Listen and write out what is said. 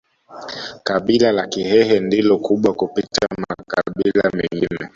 Kabila la Kihehe ndilo kubwa kupita makabila mengine